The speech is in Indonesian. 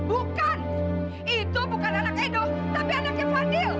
bukan itu bukan anak edo tapi anaknya fadil